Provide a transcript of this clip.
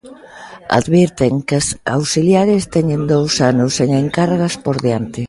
Advirten que as auxiliares teñen dous anos sen encargas por diante.